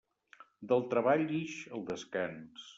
Del treball ix el descans.